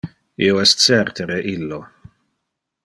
Io es certe re illo.